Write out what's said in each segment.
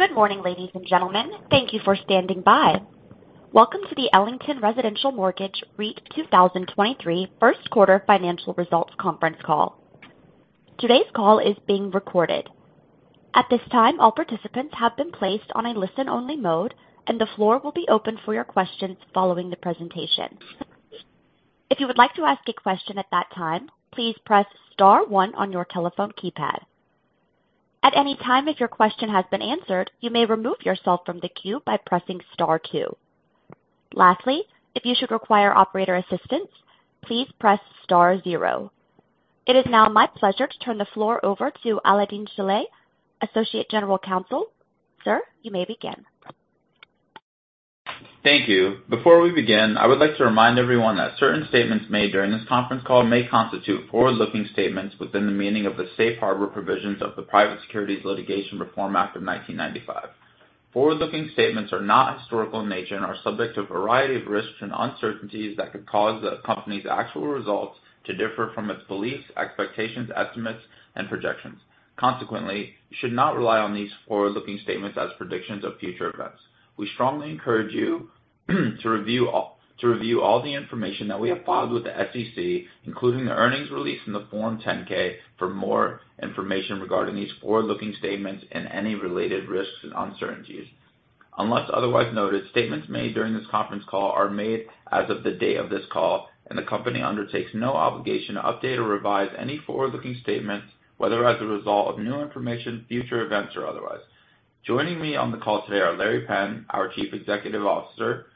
Good morning, ladies and gentlemen. Thank you for standing by. Welcome to the Ellington Residential Mortgage REIT 2023 first quarter financial results conference call. Today's call is being recorded. At this time, all participants have been placed on a listen-only mode. The floor will be open for your questions following the presentation. If you would like to ask a question at that time, please press star one on your telephone keypad. At any time if your question has been answered, you may remove yourself from the queue by pressing star two. Lastly, if you should require operator assistance, please press star zero. It is now my pleasure to turn the floor over to Alaael-Deen Shilleh, Associate General Counsel. Sir, you may begin. Thank you. Before we begin, I would like to remind everyone that certain statements made during this conference call may constitute forward-looking statements within the meaning of the Safe Harbor provisions of the Private Securities Litigation Reform Act of 1995. Forward-looking statements are not historical in nature and are subject to a variety of risks and uncertainties that could cause the company's actual results to differ from its beliefs, expectations, estimates, and projections. Consequently, you should not rely on these forward-looking statements as predictions of future events. We strongly encourage you to review all the information that we have filed with the SEC, including the earnings release in the Form 10-K for more information regarding these forward-looking statements and any related risks and uncertainties. Unless otherwise noted, statements made during this conference call are made as of the day of this call, and the company undertakes no obligation to update or revise any forward-looking statements, whether as a result of new information, future events, or otherwise. Joining me on the call today are Larry Penn, our Chief Executive Officer,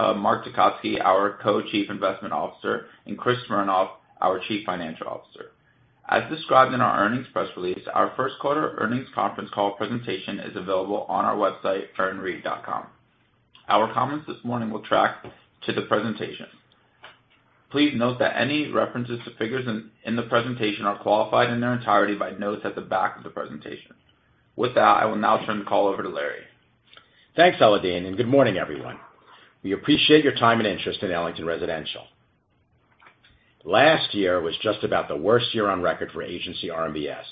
Mark Tecotzky, our Co-chief Investment Officer, and Chris Smernoff, our Chief Financial Officer. As described in our earnings press release, our first quarter earnings conference call presentation is available on our website, ellingtoncredit.com. Our comments this morning will track to the presentation. Please note that any references to figures in the presentation are qualified in their entirety by notes at the back of the presentation. With that, I will now turn the call over to Larry. Thanks, Alaael-Deen. Good morning, everyone. We appreciate your time and interest in Ellington Residential. Last year was just about the worst year on record for agency RMBS.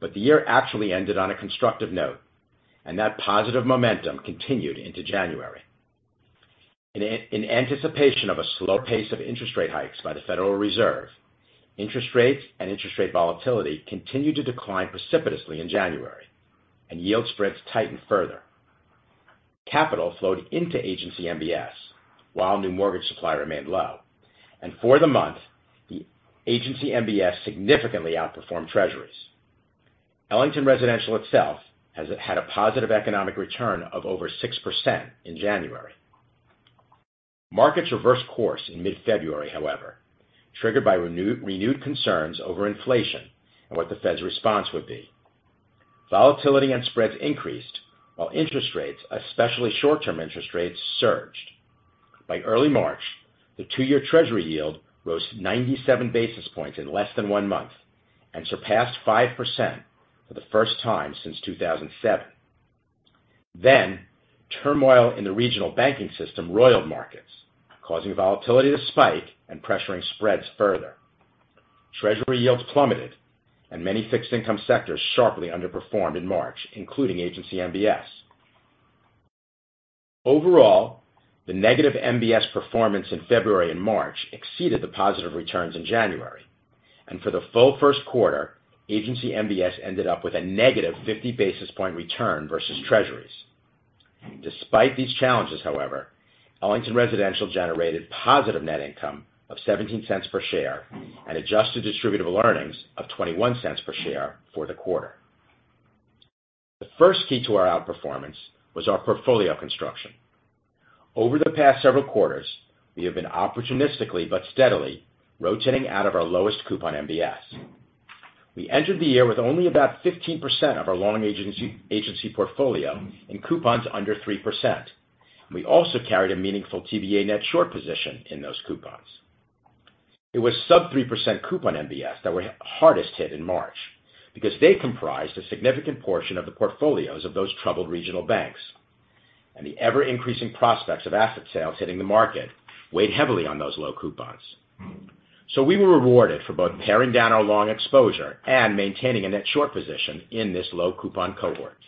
The year actually ended on a constructive note, and that positive momentum continued into January. In anticipation of a slower pace of interest rate hikes by the Federal Reserve, interest rates and interest rate volatility continued to decline precipitously in January, and yield spreads tightened further. Capital flowed into agency MBS while new mortgage supply remained low. For the month, agency MBS significantly outperformed Treasuries. Ellington Residential itself has had a positive economic return of over 6% in January. Markets reversed course in mid-February, however, triggered by renewed concerns over inflation and what the Fed's response would be. Volatility and spreads increased while interest rates, especially short-term interest rates, surged. By early March, the two-year Treasury yield rose 97 basis points in less than 1 month and surpassed 5% for the first time since 2007. Turmoil in the regional banking system roiled markets, causing volatility to spike and pressuring spreads further. Treasury yields plummeted, many fixed income sectors sharply underperformed in March, including Agency MBS. Overall, the negative MBS performance in February and March exceeded the positive returns in January, and for the full first quarter, Agency MBS ended up with a negative 50 basis point return versus Treasuries. Despite these challenges, however, Ellington Residential generated positive net income of $0.17 per share and Adjusted Distributable Earnings of $0.21 per share for the quarter. The first key to our outperformance was our portfolio construction. Over the past several quarters, we have been opportunistically but steadily rotating out of our lowest coupon MBS. We entered the year with only about 15% of our long agency portfolio in coupons under 3%. We also carried a meaningful TBA net short position in those coupons. It was sub 3% coupon MBS that were hardest hit in March because they comprised a significant portion of the portfolios of those troubled regional banks. The ever-increasing prospects of asset sales hitting the market weighed heavily on those low coupons. We were rewarded for both paring down our long exposure and maintaining a net short position in this low coupon cohort.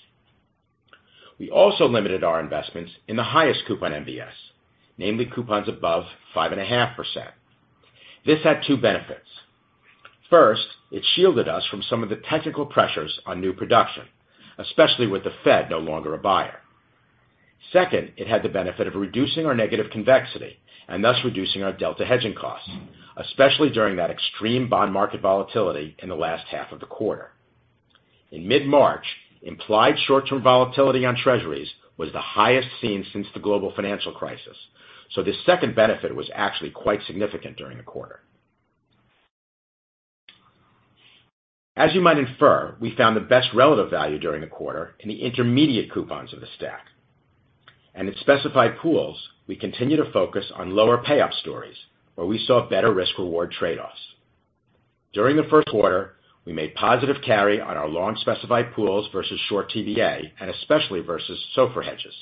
We also limited our investments in the highest coupon MBS, namely coupons above 5.5%. This had two benefits. First, it shielded us from some of the technical pressures on new production, especially with the Fed no longer a buyer. Second, it had the benefit of reducing our negative convexity and thus reducing our delta hedging costs, especially during that extreme bond market volatility in the last half of the quarter. In mid-March, implied short-term volatility on Treasuries was the highest seen since the global financial crisis. The second benefit was actually quite significant during the quarter. As you might infer, we found the best relative value during the quarter in the intermediate coupons of the stack. In specified pools, we continue to focus on lower payoff stories where we saw better risk-reward trade-offs. During the first quarter, we made positive carry on our long specified pools versus short TBA, and especially versus SOFR hedges,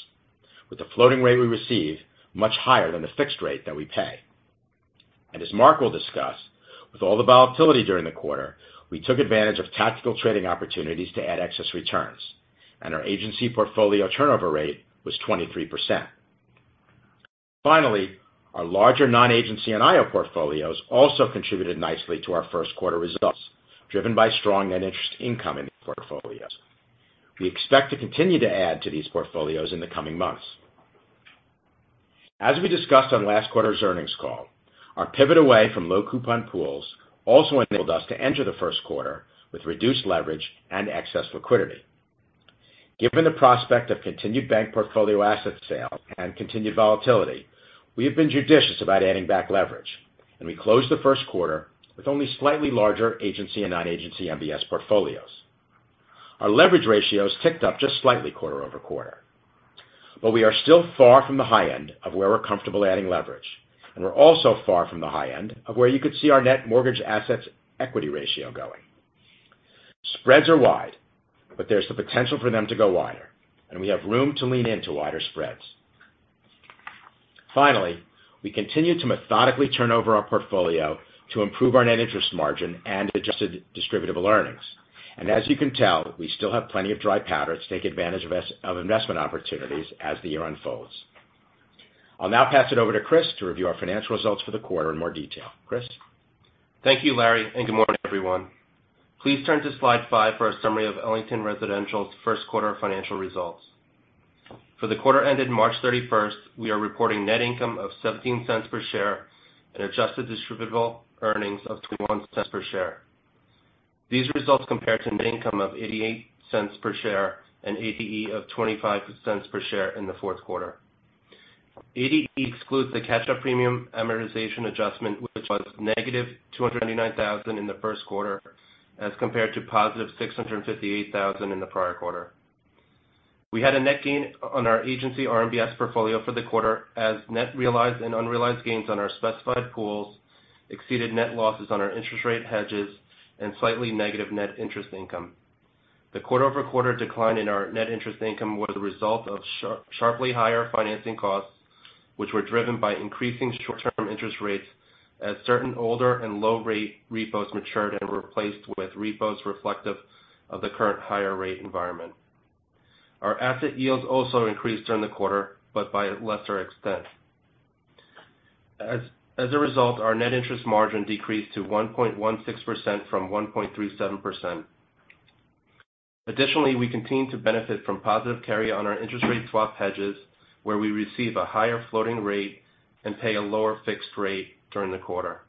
with the floating rate we receive much higher than the fixed rate that we pay. As Mark will discuss, with all the volatility during the quarter, we took advantage of tactical trading opportunities to add excess returns, and our Agency portfolio turnover rate was 23%. Our larger non-Agency and IO portfolios also contributed nicely to our first quarter results, driven by strong Net Interest Income in portfolios. We expect to continue to add to these portfolios in the coming months. As we discussed on last quarter's earnings call, our pivot away from low coupon pools also enabled us to enter the first quarter with reduced leverage and excess liquidity. Given the prospect of continued bank portfolio asset sales and continued volatility, we have been judicious about adding back leverage. We closed the first quarter with only slightly larger Agency and non-Agency MBS portfolios. Our leverage ratios ticked up just slightly quarter-over-quarter. We are still far from the high end of where we're comfortable adding leverage. We're also far from the high end of where you could see our net mortgage assets to equity ratio going. Spreads are wide. There's the potential for them to go wider. We have room to lean into wider spreads. Finally, we continue to methodically turn over our portfolio to improve our Net Interest Margin and Adjusted Distributable Earnings. As you can tell, we still have plenty of dry powder to take advantage of investment opportunities as the year unfolds. I'll now pass it over to Chris to review our financial results for the quarter in more detail. Chris? Thank you, Larry. Good morning, everyone. Please turn to slide five for a summary of Ellington Residential's first quarter financial results. For the quarter ended March 31st, we are reporting net income of $0.17 per share and Adjusted Distributable Earnings of $0.21 per share. These results compare to net income of $0.88 per share and ADE of $0.25 per share in the fourth quarter. ADE excludes the Catch-up Premium Amortization Adjustment, which was -$299,000 in the first quarter as compared to +$658,000 in the prior quarter. We had a net gain on our Agency RMBS portfolio for the quarter as net realized and unrealized gains on our specified pools exceeded net losses on our interest rate hedges and slightly negative net interest income. The quarter-over-quarter decline in our net interest income was a result of sharply higher financing costs, which were driven by increasing short-term interest rates as certain older and low rate repos matured and were replaced with repos reflective of the current higher rate environment. Our asset yields also increased during the quarter, but by a lesser extent. As a result, our net interest margin decreased to 1.16% from 1.37%. Additionally, we continue to benefit from positive carry on our interest rate swap hedges, where we receive a higher floating rate and pay a lower fixed rate during the quarter.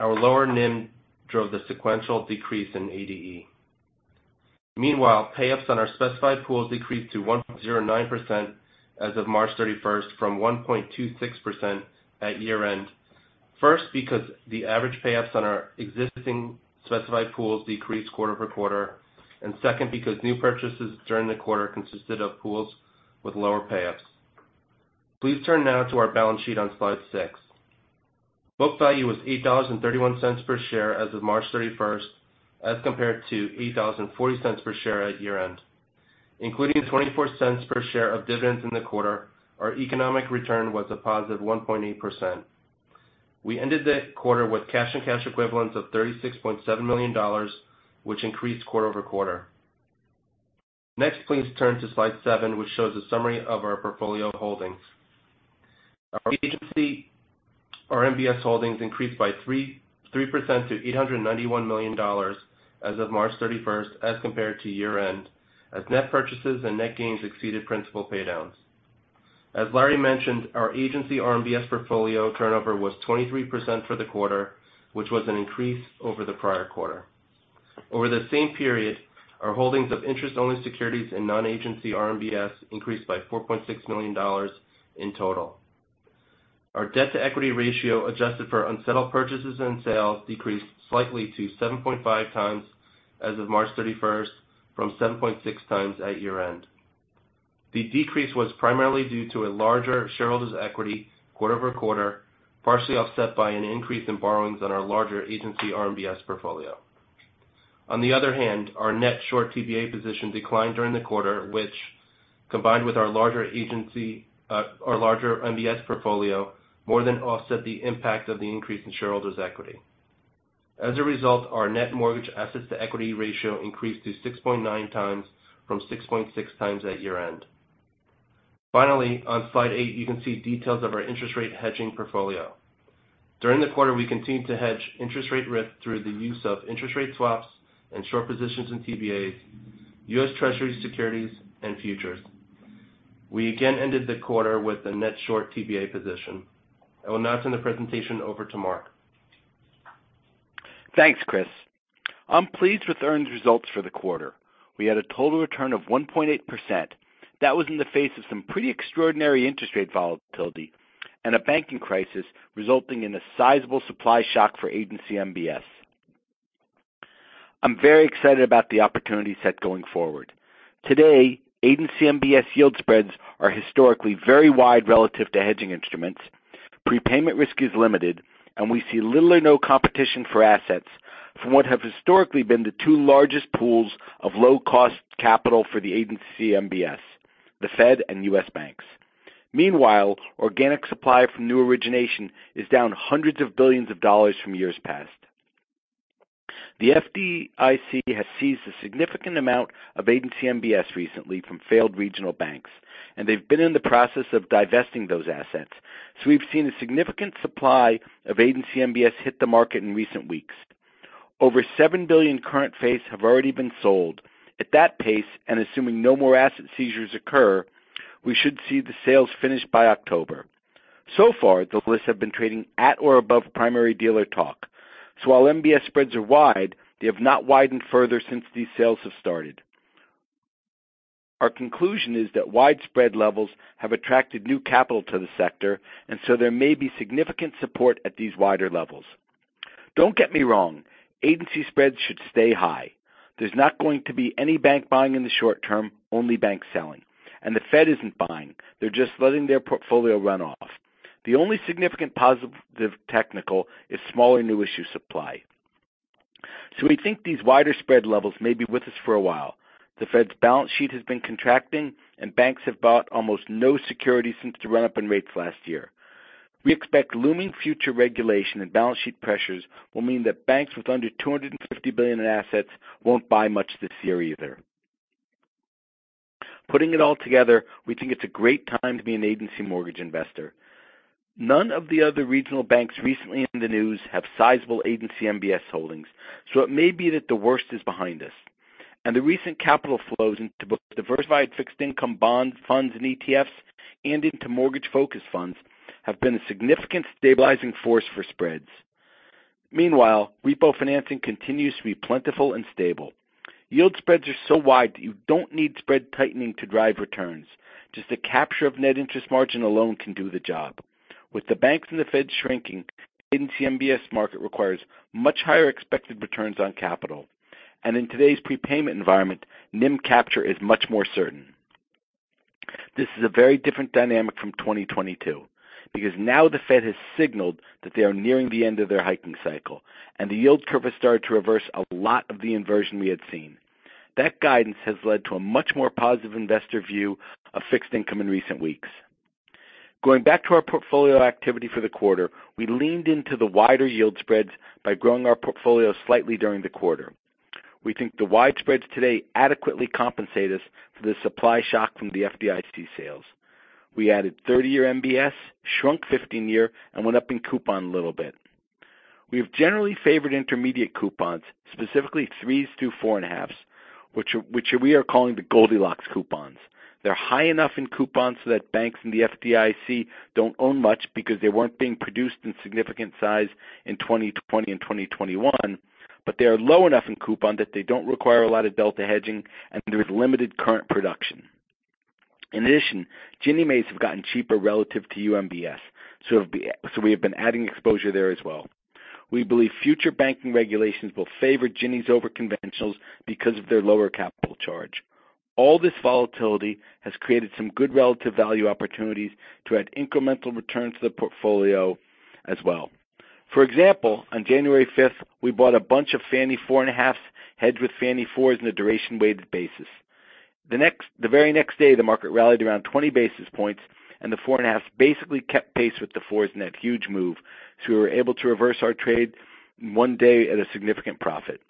Our lower NIM drove the sequential decrease in ADE. Meanwhile, payoffs on our specified pools decreased to 1.09% as of March 31st from 1.26% at year-end. First, because the average payoffs on our existing specified pools decreased quarter-over-quarter, and second, because new purchases during the quarter consisted of pools with lower payoffs. Please turn now to our balance sheet on slide 6. Book value was $8.31 per share as of March 31st, as compared to $8.40 per share at year-end. Including $0.24 per share of dividends in the quarter, our economic return was a positive 1.8%. We ended the quarter with cash and cash equivalents of $36.7 million, which increased quarter-over-quarter. Next, please turn to slide seven, which shows a summary of our portfolio holdings. Our Agency MBS holdings increased by 3% to $891 million as of March 31st as compared to year-end, as net purchases and net gains exceeded principal paydowns. As Larry mentioned, our Agency RMBS portfolio turnover was 23% for the quarter, which was an increase over the prior quarter. Over the same period, our holdings of interest-only securities and non-Agency RMBS increased by $4.6 million in total. Our debt-to-equity ratio adjusted for unsettled purchases and sales decreased slightly to 7.5x as of March 31st from 7.6x at year-end. The decrease was primarily due to a larger shareholders' equity quarter-over-quarter, partially offset by an increase in borrowings on our larger Agency RMBS portfolio. Our net short TBA position declined during the quarter, which, combined with our larger MBS portfolio, more than offset the impact of the increase in shareholders' equity. As a result, our net mortgage assets to equity ratio increased to 6.9 times from 6.6 times at year-end. Finally, on slide eight, you can see details of our interest rate hedging portfolio. During the quarter, we continued to hedge interest rate risk through the use of interest rate swaps and short positions in TBAs, U.S. Treasury securities, and futures. We again ended the quarter with a net short TBA position. I will now turn the presentation over to Mark. Thanks, Chris. I'm pleased with earned results for the quarter. We had a total return of 1.8%. That was in the face of some pretty extraordinary interest rate volatility and a banking crisis resulting in a sizable supply shock for Agency MBS. I'm very excited about the opportunity set going forward. Today, Agency MBS yield spreads are historically very wide relative to hedging instruments, prepayment risk is limited, and we see little or no competition for assets from what have historically been the two largest pools of low-cost capital for the Agency MBS. The Fed and U.S. banks. Meanwhile, organic supply from new origination is down hundreds of billions of dollars from years past. The FDIC has seized a significant amount of Agency MBS recently from failed regional banks, and they've been in the process of divesting those assets. We've seen a significant supply of Agency MBS hit the market in recent weeks. Over $7 billion current phase have already been sold. At that pace, and assuming no more asset seizures occur, we should see the sales finished by October. So far, those lists have been trading at or above primary dealer talk. While MBS spreads are wide, they have not widened further since these sales have started. Our conclusion is that widespread levels have attracted new capital to the sector, and so there may be significant support at these wider levels. Don't get me wrong, Agency spreads should stay high. There's not going to be any bank buying in the short term, only bank selling. The Fed isn't buying. They're just letting their portfolio run off. We think these wider spread levels may be with us for a while. The Fed's balance sheet has been contracting, and banks have bought almost no security since the run-up in rates last year. We expect looming future regulation and balance sheet pressures will mean that banks with under $250 billion in assets won't buy much this year either. Putting it all together, we think it's a great time to be an Agency mortgage investor. None of the other regional banks recently in the news have sizable Agency MBS holdings, so it may be that the worst is behind us. The recent capital flows into both diversified fixed income bond funds and ETFs and into mortgage-focused funds have been a significant stabilizing force for spreads. Meanwhile, repo financing continues to be plentiful and stable. Yield spreads are so wide that you don't need spread tightening to drive returns. Just the capture of Net Interest Margin alone can do the job. With the banks and the Fed shrinking, Agency MBS market requires much higher expected returns on capital. In today's prepayment environment, NIM capture is much more certain. This is a very different dynamic from 2022, because now the Fed has signaled that they are nearing the end of their hiking cycle, and the yield curve has started to reverse a lot of the inversion we had seen. That guidance has led to a much more positive investor view of fixed income in recent weeks. Going back to our portfolio activity for the quarter, we leaned into the wider yield spreads by growing our portfolio slightly during the quarter. We think the wide spreads today adequately compensate us for the supply shock from the FDIC sales. We added 30-year MBS, shrunk 15-year, and went up in coupon a little bit. We have generally favored intermediate coupons, specifically 3-4.5, which we are calling the Goldilocks coupons. They're high enough in coupons so that banks and the FDIC don't own much because they weren't being produced in significant size in 2020 and 2021, but they are low enough in coupon that they don't require a lot of delta hedging, and there is limited current production. In addition, Ginnie Mae's have gotten cheaper relative to UMBS, so we have been adding exposure there as well. We believe future banking regulations will favor Ginnies over conventionals because of their lower capital charge. This volatility has created some good relative value opportunities to add incremental returns to the portfolio as well. For example, on January 5th, we bought a bunch of Fannie four and a halves hedged with Fannie fours in a duration-weighted basis. The very next day, the market rallied around 20 basis points, the four and a halves basically kept pace with the fours in that huge move, we were able to reverse our trade in 1 day at a significant profit.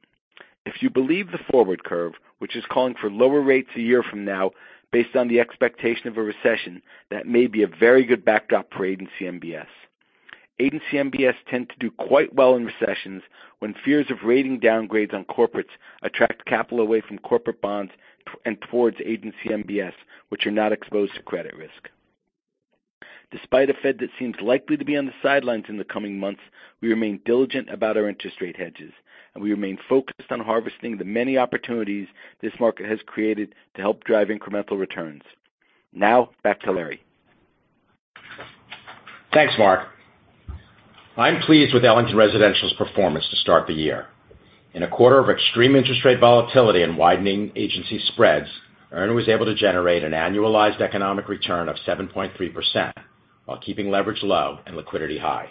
If you believe the forward curve, which is calling for lower rates a year from now based on the expectation of a recession, that may be a very good backdrop for Agency MBS. Agency MBS tend to do quite well in recessions when fears of rating downgrades on corporates attract capital away from corporate bonds towards Agency MBS, which are not exposed to credit risk. Despite a Fed that seems likely to be on the sidelines in the coming months, we remain diligent about our interest rate hedges, and we remain focused on harvesting the many opportunities this market has created to help drive incremental returns. Now back to Larry. Thanks, Mark. I'm pleased with Ellington Residential's performance to start the year. In a quarter of extreme interest rate volatility and widening Agency spreads, Earn was able to generate an annualized economic return of 7.3% while keeping leverage low and liquidity high.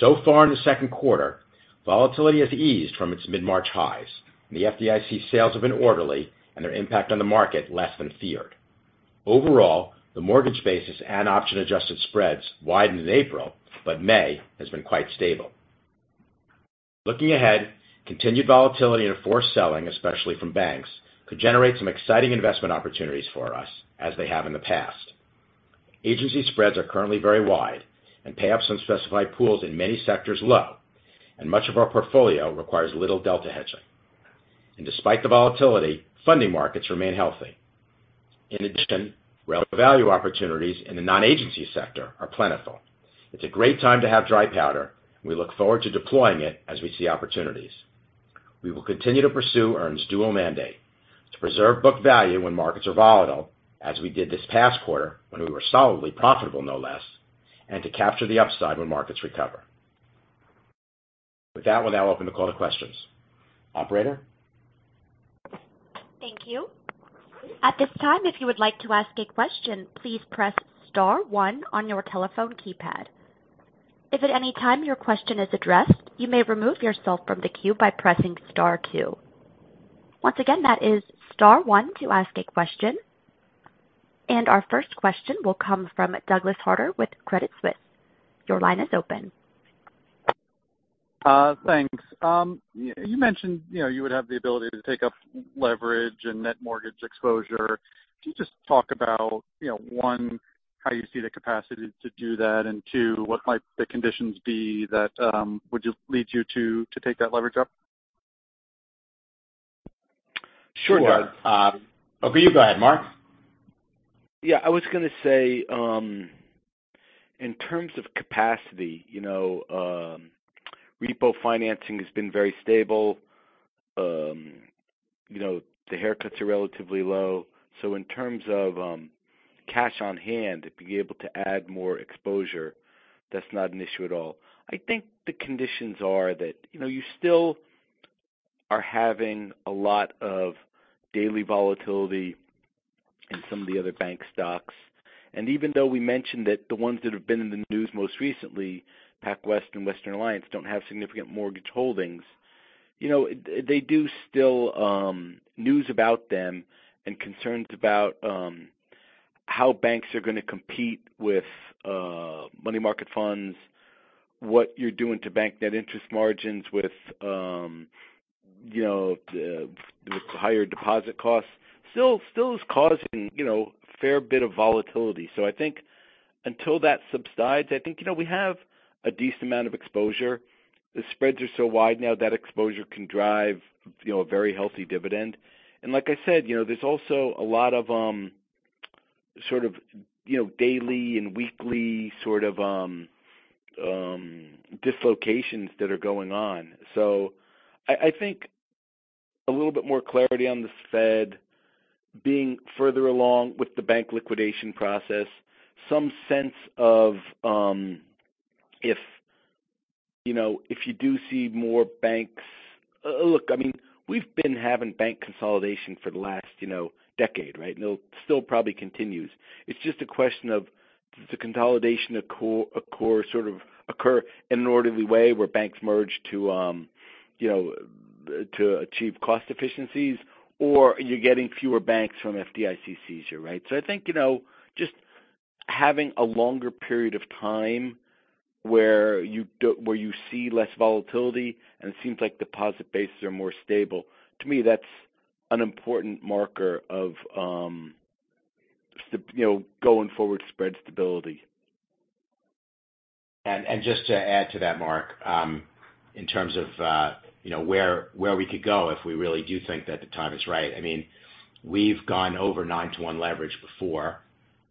Far in the second quarter, volatility has eased from its mid-March highs, and the FDIC sales have been orderly and their impact on the market less than feared. Overall, the mortgage basis and Option-Adjusted Spreads widened in April, but May has been quite stable. Looking ahead, continued volatility and forced selling, especially from banks, could generate some exciting investment opportunities for us as they have in the past. Agency spreads are currently very wide and payoffs on specified pools in many sectors low, and much of our portfolio requires little delta hedging. Despite the volatility, funding markets remain healthy. Relative value opportunities in the non-agency sector are plentiful. It's a great time to have dry powder, and we look forward to deploying it as we see opportunities. We will continue to pursue Ellington's dual mandate to preserve book value when markets are volatile, as we did this past quarter when we were solidly profitable, no less, and to capture the upside when markets recover. With that, we'll now open the call to questions. Operator? Thank you. At this time, if you would like to ask a question, please press star one on your telephone keypad. If at any time your question is addressed, you may remove yourself from the queue by pressing star two. Once again, that is star one to ask a question. Our first question will come from Douglas Harter with Credit Suisse. Your line is open. Thanks. You mentioned, you know, you would have the ability to take up leverage and net mortgage exposure. Can you just talk about, you know, one, how you see the capacity to do that, and two, what might the conditions be that would lead you to take that leverage up? Sure. Sure. You go ahead, Mark. Yeah. I was gonna say, in terms of capacity, you know, repo financing has been very stable. You know, the haircuts are relatively low. So in terms of cash on hand to be able to add more exposure, that's not an issue at all. I think the conditions are that, you know, you still are having a lot of daily volatility in some of the other bank stocks. Even though we mentioned that the ones that have been in the news most recently, PacWest and Western Alliance, don't have significant mortgage holdings, you know, they do still news about them and concerns about how banks are gonna compete with money market funds, what you're doing to bank Net Interest Margins with, you know, with higher deposit costs still is causing, you know, a fair bit of volatility. I think until that subsides, I think, you know, we have a decent amount of exposure. The spreads are so wide now that exposure can drive, you know, a very healthy dividend. Like I said, you know, there's also a lot of, sort of, you know, daily and weekly sort of, dislocations that are going on. I think a little bit more clarity on the Fed being further along with the bank liquidation process, some sense of, if, you know, if you do see more banks. Look, I mean, we've been having bank consolidation for the last, you know, decade, right? It'll still probably continues. It's just a question of does the consolidation occur in an orderly way where banks merge to, you know, to achieve cost efficiencies, or are you getting fewer banks from FDIC seizure, right? I think, you know, just having a longer period of time where you see less volatility, and it seems like deposit bases are more stable, to me, that's an important marker of, you know, going forward spread stability. Just to add to that, Mark, in terms of, you know, where we could go if we really do think that the time is right. I mean, we've gone over 9 to 1 leverage before,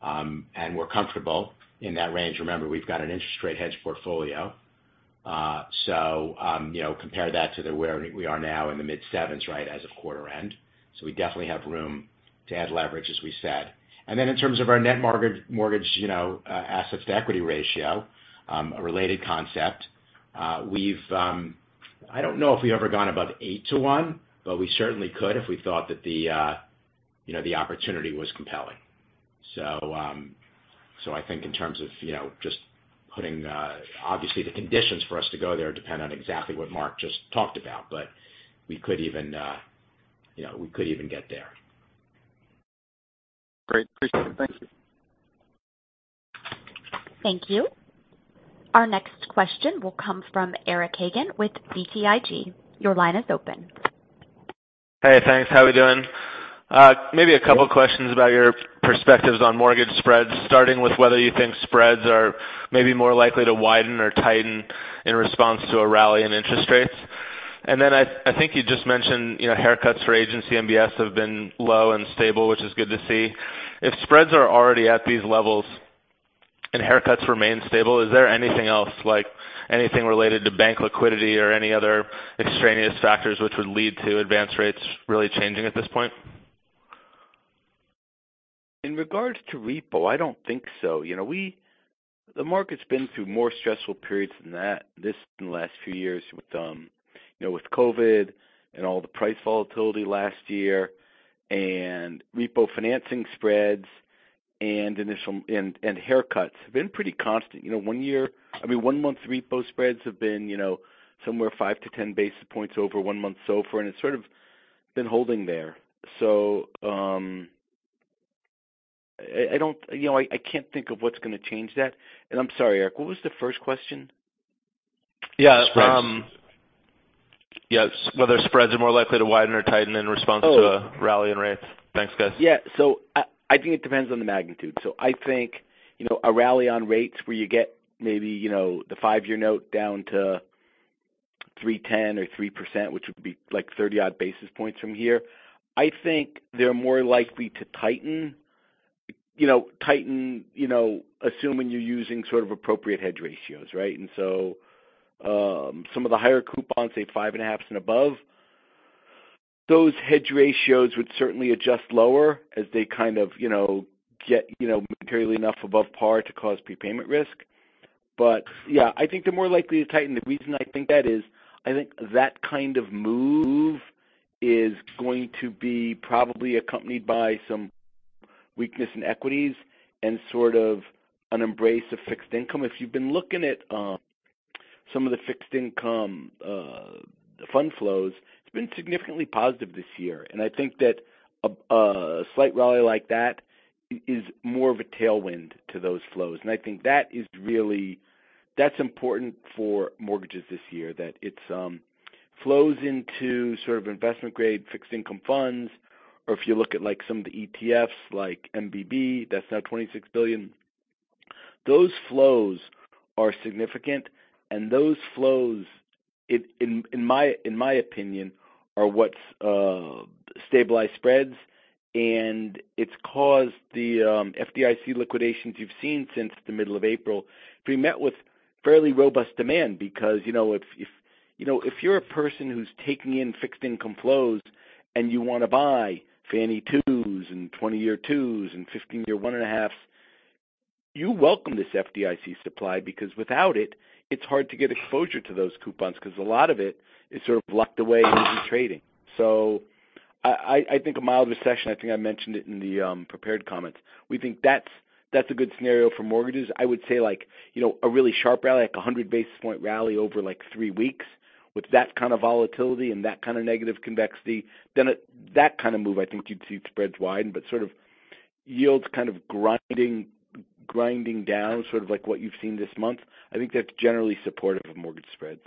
and we're comfortable in that range. Remember, we've got an interest rate hedge portfolio. You know, compare that to the where we are now in the mid 7s, right, as of quarter end. We definitely have room to add leverage as we said. Then in terms of our net mortgage, you know, assets to equity ratio, a related concept, we've, I don't know if we've ever gone above 8 to 1, but we certainly could if we thought that the, you know, the opportunity was compelling. I think in terms of, you know, just putting, obviously the conditions for us to go there depend on exactly what Mark just talked about, but we could even, you know, we could even get there. Great. Appreciate it. Thank you. Thank you. Our next question will come from Eric Hagen with BTIG. Your line is open. Hey, thanks. How we doing? Maybe a couple of questions about your perspectives on mortgage spreads, starting with whether you think spreads are maybe more likely to widen or tighten in response to a rally in interest rates. Then I think you just mentioned, you know, haircuts for Agency MBS have been low and stable, which is good to see. If spreads are already at these levels and haircuts remain stable, is there anything else, like anything related to bank liquidity or any other extraneous factors which would lead to advance rates really changing at this point? In regards to repo, I don't think so. You know, the market's been through more stressful periods than that in the last few years with, you know, with COVID and all the price volatility last year and repo financing spreads and initial and haircuts have been pretty constant. You know, one month repo spreads have been, you know, somewhere 5-10 basis points over one month SOFR, and it's sort of been holding there. I can't think of what's gonna change that. I'm sorry, Eric, what was the first question? Yeah. Spreads. Yes, whether spreads are more likely to widen or tighten in response to a rally in rates. Thanks, guys. Yeah. I think it depends on the magnitude. I think, you know, a rally on rates where you get maybe, you know, the five-year note down to 3.10% or 3%, which would be like 30 odd basis points from here, I think they're more likely to tighten. You know, tighten, you know, assuming you're using sort of appropriate hedge ratios, right? Some of the higher coupons say 5.5s and above, those hedge ratios would certainly adjust lower as they kind of, you know, get, you know, materially enough above par to cause prepayment risk. Yeah, I think they're more likely to tighten. The reason I think that is, I think that kind of move is going to be probably accompanied by some weakness in equities and sort of an embrace of fixed income. If you've been looking at some of the fixed income, the fund flows, it's been significantly positive this year. I think that a slight rally like that is more of a tailwind to those flows. I think that's important for mortgages this year, that it's flows into sort of investment-grade fixed income funds. If you look at, like, some of the ETFs like MBB, that's now $26 billion. Those flows are significant, and those flows in my opinion, are what's stabilized spreads. It's caused the FDIC liquidations you've seen since the middle of April to be met with fairly robust demand. You know, if, you know, if you're a person who's taking in fixed income flows and you wanna buy Fannie Twos and 20-year Twos and 15-year 1.5, you welcome this FDIC supply, because without it's hard to get exposure to those coupons because a lot of it is sort of locked away and isn't trading. I think a mild recession, I think I mentioned it in the prepared comments, we think that's a good scenario for mortgages. I would say like, you know, a really sharp rally, like a 100 basis point rally over, like, three weeks with that kind of volatility and that kind of negative convexity, then at that kind of move I think you'd see spreads widen. sort of yields kind of grinding down, sort of like what you've seen this month, I think that's generally supportive of mortgage spreads.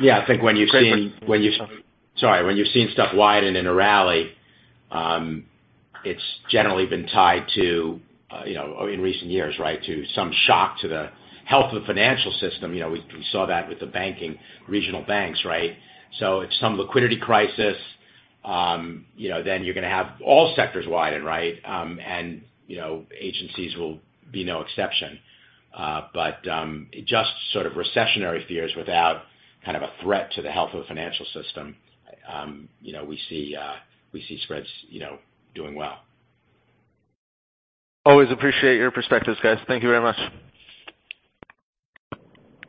Yeah. I think when you're seeing- Great. Sorry. When you're seeing stuff widen in a rally, it's generally been tied to, you know, in recent years, right, to some shock to the health of the financial system. You know, we saw that with the banking, regional banks, right? If some liquidity crisis, you know, then you're gonna have all sectors widen, right? You know, agencies will be no exception. Just sort of recessionary fears without kind of a threat to the health of the financial system, you know, we see spreads, you know, doing well. Always appreciate your perspectives, guys. Thank you very much.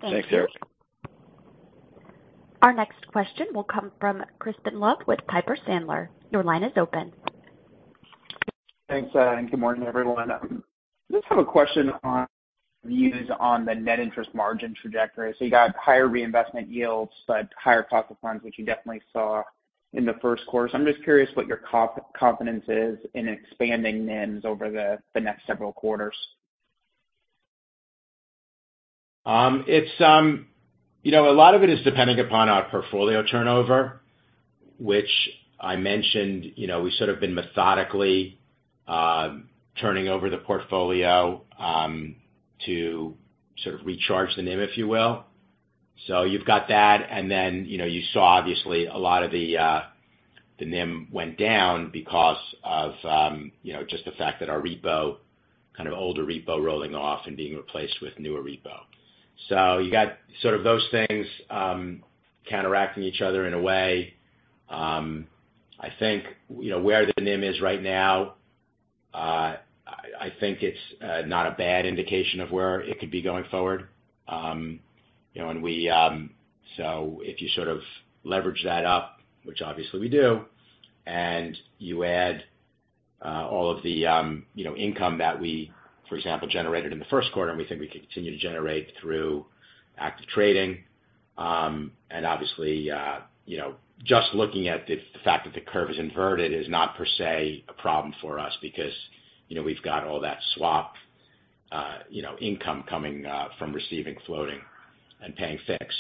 Thanks, Eric. Our next question will come from Crispin Love with Piper Sandler. Your line is open. Thanks. Good morning, everyone. I just have a question on views on the Net Interest Margin trajectory. You got higher reinvestment yields, but higher cost of funds, which you definitely saw in the first quarter. I'm just curious what your confidence is in expanding NIMs over the next several quarters? It's, you know, a lot of it is depending upon our portfolio turnover, which I mentioned, you know, we sort of been methodically, turning over the portfolio, to sort of recharge the NIM, if you will. You've got that. You know, you saw obviously a lot of the NIM went down because of, you know, just the fact that our repo, kind of older repo rolling off and being replaced with newer repo. You got sort of those things, counteracting each other in a way. I think, you know, where the NIM is right now, I think it's not a bad indication of where it could be going forward. You know, and we. If you sort of leverage that up, which obviously we do, and you add, all of the, you know, income that we, for example, generated in the first quarter and we think we continue to generate through active trading. Obviously, you know, just looking at the fact that the curve is inverted is not per se a problem for us because, you know, we've got all that swap, you know, income coming from receiving floating and paying fixed.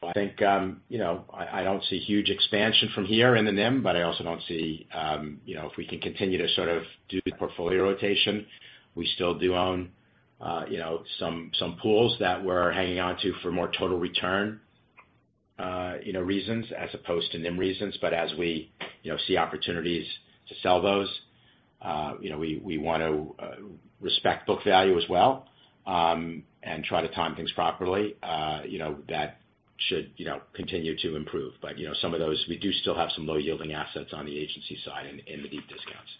I think, you know, I don't see huge expansion from here in the NIM, but I also don't see, you know, if we can continue to sort of do the portfolio rotation. We still do own, you know, some pools that we're hanging on to for more total return, you know, reasons as opposed to NIM reasons. As we, you know, see opportunities to sell those, you know, we want to respect book value as well, and try to time things properly. You know, that should, you know, continue to improve. You know, some of those, we do still have some low yielding assets on the Agency side in the deep discounts.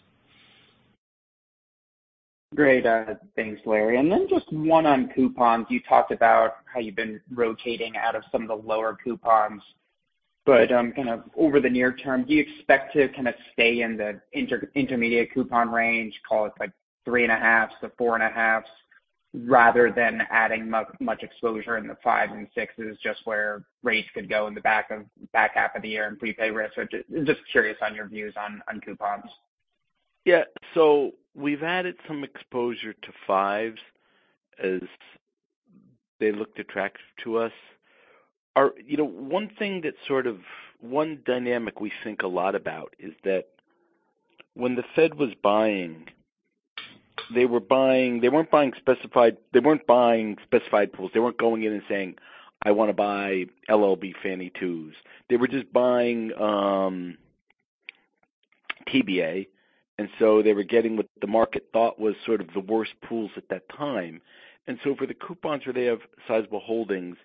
Great. Thanks, Larry. Then just one on coupons. You talked about how you've been rotating out of some of the lower coupons. Kind of over the near term, do you expect to kind of stay in the intermediate coupon range, call it like 3.5s-4.5s, rather than adding much exposure in the 5s and 6s, just where rates could go in the back half of the year in prepay risk? Just curious on your views on coupons. Yeah. We've added some exposure to fives as they looked attractive to us. You know, one thing that one dynamic we think a lot about is that when the Fed was buying, they weren't buying specified, they weren't buying specified pools. They weren't going in and saying, "I wanna buy LLB Fannie Twos." They were just buying TBA, they were getting what the market thought was sort of the worst pools at that time. For the coupons where they have sizable holdings,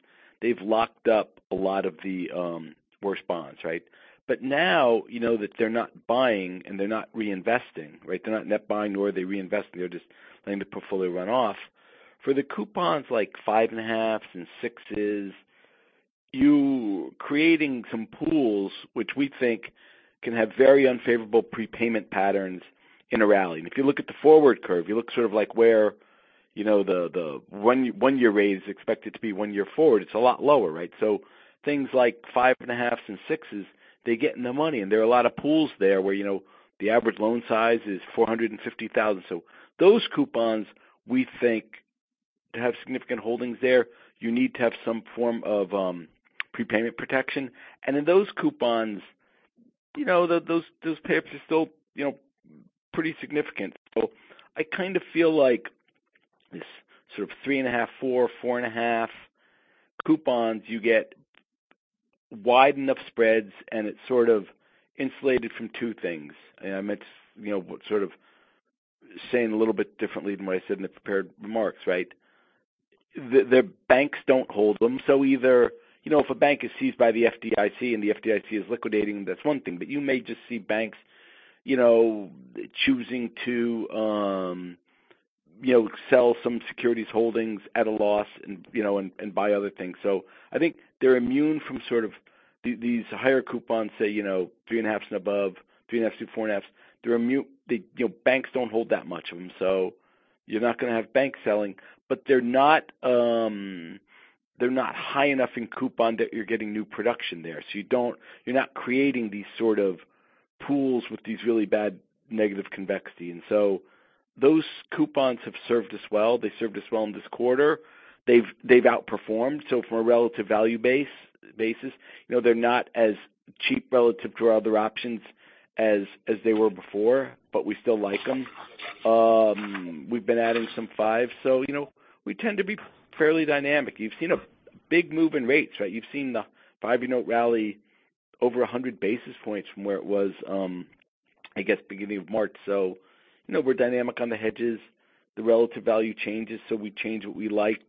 they've locked up a lot of the worst bonds, right? Now you know that they're not buying and they're not reinvesting, right? They're not net buying, nor are they reinvesting. They're just letting the portfolio run off. For the coupons like 5.5s and 6s, you creating some pools, which we think can have very unfavorable prepayment patterns in a rally. If you look at the forward curve, you look sort of like where, you know, the 1-year rate is expected to be 1 year forward. It's a lot lower, right? Things like 5.5s and 6s, they get in the money. There are a lot of pools there where, you know, the average loan size is $450,000. Those coupons, we think to have significant holdings there, you need to have some form of prepayment protection. In those coupons, you know, those payups are still, you know, pretty significant. I kind of feel like this sort of 3.5, 4.5 coupons, you get wide enough spreads, and it's sort of insulated from two things. It's, you know, sort of saying a little bit differently than what I said in the prepared remarks, right? The banks don't hold them. Either, you know, if a bank is seized by the FDIC, and the FDIC is liquidating, that's one thing. You may just see banks, you know, choosing to, you know, sell some securities holdings at a loss and, you know, buy other things. I think they're immune from sort of these higher coupons, say, you know, 3.5s and above, 3.5s-4.5s, they're immune. You know, banks don't hold that much of them. You're not going to have banks selling. They're not high enough in coupon that you're getting new production there. You're not creating these sort of pools with these really bad negative convexity. Those coupons have served us well. They served us well in this quarter. They've outperformed. From a relative value basis, you know, they're not as cheap relative to our other options as they were before, but we still like them. We've been adding some five. You know, we tend to be fairly dynamic. You've seen a big move in rates, right? You've seen the five-year note rally over 100 basis points from where it was, I guess beginning of March. You know, we're dynamic on the hedges. The relative value changes, so we change what we like.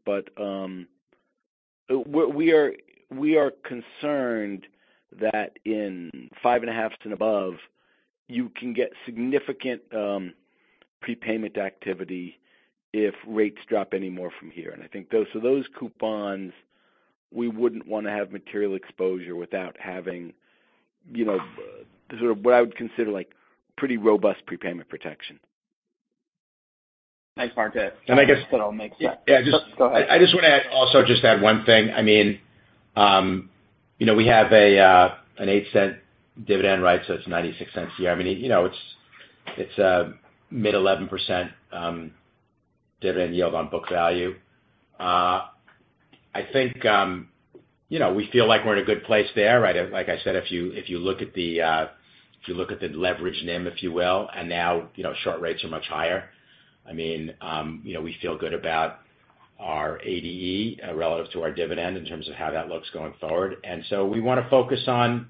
We are concerned that in 5.5s and above, you can get significant prepayment activity if rates drop any more from here. I think so those coupons, we wouldn't want to have material exposure without having, you know, sort of what I would consider, like, pretty robust prepayment protection. Thanks, Mark. That all makes sense. And I guess- Go ahead. Also just add one thing. I mean, you know, we have an $0.08 dividend, right? It's $0.96 a year. I mean, you know, it's a mid-11% dividend yield on book value. I think, you know, we feel like we're in a good place there, right? Like I said, if you look at the leveraged NIM, if you will, and now, you know, short rates are much higher. I mean, you know, we feel good about our ADE relative to our dividend in terms of how that looks going forward. We want to focus on,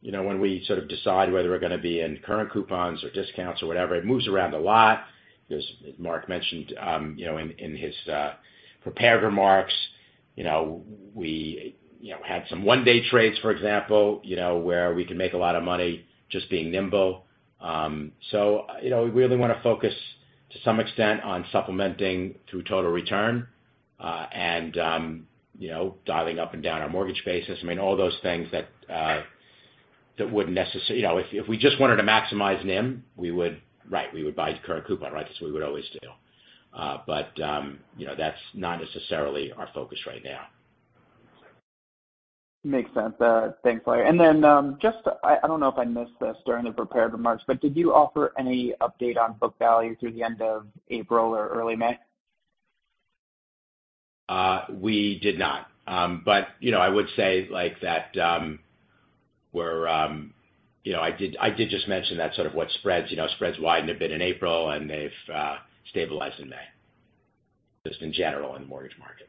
you know, when we sort of decide whether we're going to be in current coupons or discounts or whatever, it moves around a lot. As Mark mentioned, you know, in his prepared remarks, you know, we, you know, had some one-day trades, for example, you know, where we can make a lot of money just being nimble. You know, we really want to focus to some extent on supplementing through total return, and, you know, dialing up and down our mortgage basis. I mean, all those things that wouldn't, you know, if we just wanted to maximize NIM, we would, right, we would buy the current coupon, right? That's what we would always do. You know, that's not necessarily our focus right now. Makes sense. Thanks, Larry. Just, I don't know if I missed this during the prepared remarks, but did you offer any update on book value through the end of April or early May? We did not. You know, I would say, like, that, we're, you know, I did just mention that sort of what spreads, you know, spreads widened a bit in April, and they've stabilized in May, just in general in the mortgage market.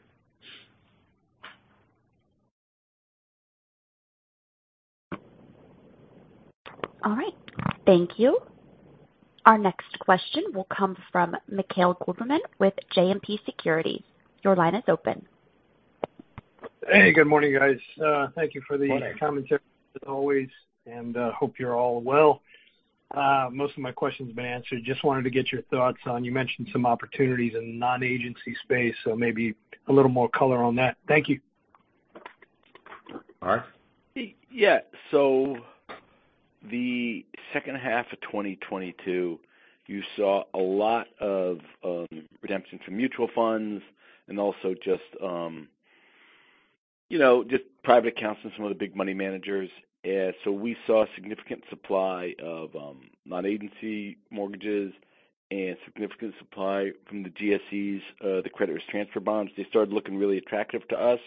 All right. Thank you. Our next question will come from Mikhail Goberman with JMP Securities. Your line is open. Hey, good morning, guys. Thank you for the- Morning. Commentary as always. Hope you're all well. Most of my questions have been answered. Just wanted to get your thoughts on, you mentioned some opportunities in non-agency space, so maybe a little more color on that. Thank you. Mark? Yeah. The second half of 2022, you saw a lot of redemptions from mutual funds and also just, you know, just private accounts and some of the big money managers. We saw significant supply of non-agency mortgages and significant supply from the GSEs, the Credit Risk Transfer bonds. They started looking really attractive to us.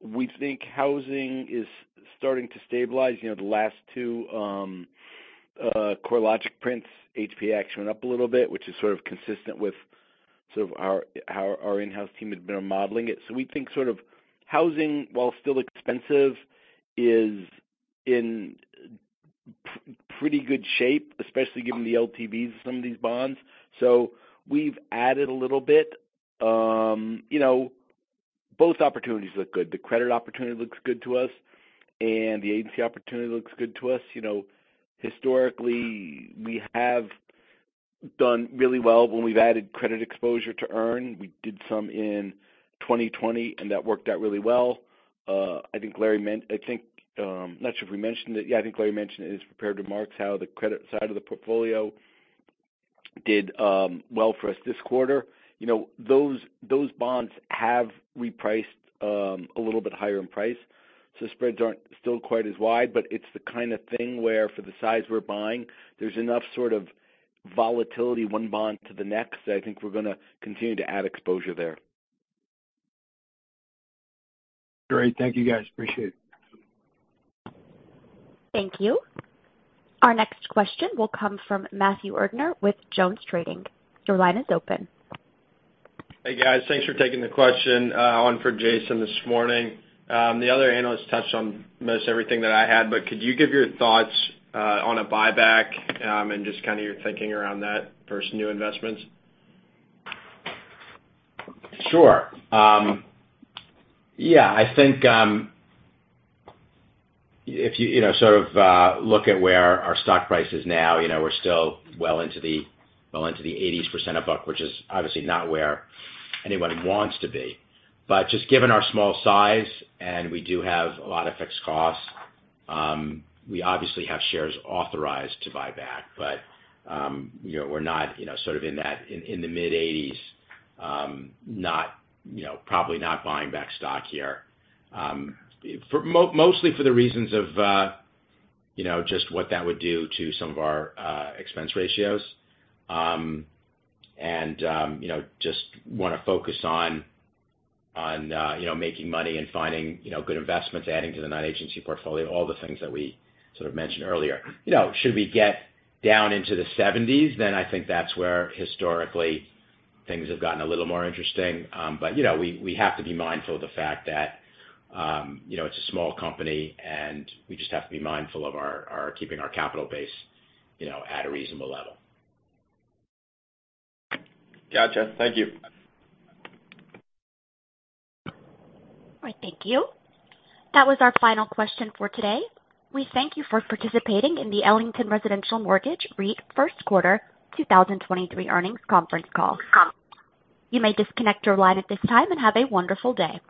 We think housing is starting to stabilize. You know, the last two CoreLogic prints, HPA action went up a little bit, which is sort of consistent with sort of our in-house team had been modeling it. We think sort of housing, while still expensive, is in pretty good shape, especially given the LTVs of some of these bonds. We've added a little bit. You know, both opportunities look good. The credit opportunity looks good to us. The agency opportunity looks good to us. You know, historically. Done really well when we've added credit exposure to earn. We did some in 2020. That worked out really well. I think Larry meant... I think, not sure if we mentioned it. Yeah, I think Larry mentioned in his prepared remarks how the credit side of the portfolio did well for us this quarter. You know, those bonds have repriced a little bit higher in price, so spreads aren't still quite as wide. It's the kinda thing where for the size we're buying, there's enough sort of volatility one bond to the next that I think we're gonna continue to add exposure there. Great. Thank you, guys. Appreciate it. Thank you. Our next question will come from Matthew Erdner with JonesTrading. Your line is open. Hey, guys. Thanks for taking the question, one for Jason this morning. The other analysts touched on most everything that I had. Could you give your thoughts on a buyback, and just kinda your thinking around that versus new investments? Sure. Yeah, I think, if you know, sort of, look at where our stock price is now, you know, we're still well into the 80% of book, which is obviously not where anybody wants to be. Just given our small size, and we do have a lot of fixed costs, we obviously have shares authorized to buy back. you know, we're not, you know, sort of in that in the mid-80s, not, you know, probably not buying back stock here. mostly for the reasons of, you know, just what that would do to some of our expense ratios. You know, just wanna focus on, you know, making money and finding, you know, good investments, adding to the non-agency portfolio, all the things that we sort of mentioned earlier. You know, should we get down into the 70s, then I think that's where historically things have gotten a little more interesting. You know, we have to be mindful of the fact that, you know, it's a small company, and we just have to be mindful of our keeping our capital base, you know, at a reasonable level. Gotcha. Thank you. All right. Thank you. That was our final question for today. We thank you for participating in the Ellington Residential Mortgage REIT first quarter 2023 earnings conference call. You may disconnect your line at this time, and have a wonderful day.